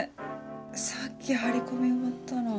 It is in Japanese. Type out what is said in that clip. さっき張り込み終わったの。